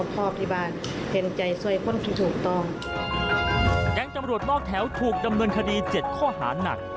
แก๊งตำรวจนอกแถวถูกดำเนินคดี๗ข้อหาหนัก